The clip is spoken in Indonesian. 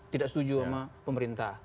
tidak setuju sama pemerintah